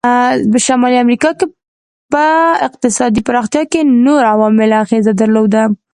په شمالي امریکا په اقتصاد پراختیا کې نورو عواملو اغیزه درلوده.